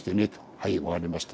「はい分かりました」。